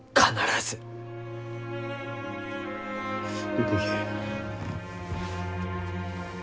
出ていけ。